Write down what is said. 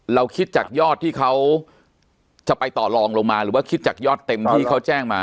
เราคิดจากยอดที่เขาจะไปต่อลองลงมาหรือว่าคิดจากยอดเต็มที่เขาแจ้งมา